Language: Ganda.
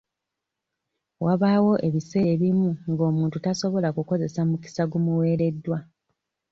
Wabaawo ebiseera ebimu nga omuntu tasobola kukozesa mukisa gumuweereddwa.